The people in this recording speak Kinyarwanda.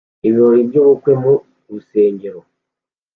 Ibirori by'ubukwe mu rusengero